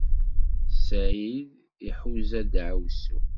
Sɛid iḥuza daɛwessu.